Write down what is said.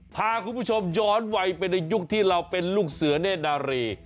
พาคุณผู้ชมย้อนวัยไปในยุคที่เราเป็นลูกเสือเนธนารี